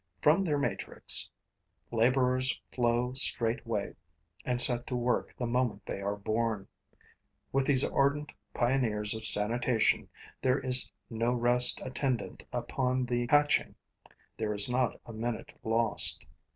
From their matrix, laborers flow straightway and set to work the moment they are born. With these ardent pioneers of sanitation, there is no rest attendant upon the hatching, there is not a minute lost.